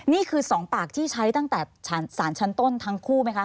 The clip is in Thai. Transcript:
นี่คือ๒ปากที่ใช้ตั้งแต่สารชั้นต้นทั้งคู่ไหมคะ